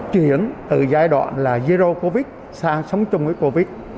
chuyển dẫn từ giai đoạn là zero covid sang sống chung với covid